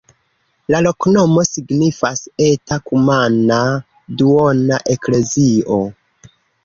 La loknomo signifas: eta-kumana-duona-eklezio.